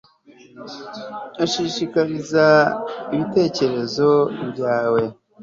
ushishikarize ibitekerezo byawe